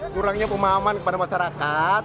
kurangnya pemahaman kepada masyarakat